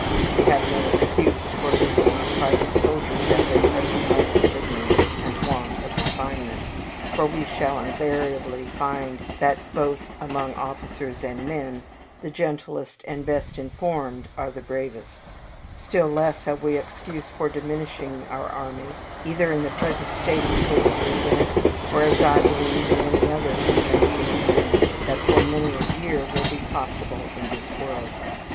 We have no excuse for leaving our private soldiers at their present level of ignorance and want of refinement, for we shall invariably find that, both among officers and men, the gentlest and best informed are the bravest; still less have we excuse for diminishing our army, either in the present state of political events, or, as I believe, in any other conjunction of them that for many a year will be possible in this world.